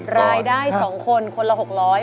ไม่มีเงินก่อนรายได้๒คนคนละ๖๐๐